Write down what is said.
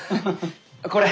これ。